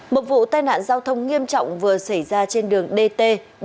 một vụ tai nạn giao thông nghiêm trọng vừa xảy ra trên đường dt bảy trăm năm mươi chín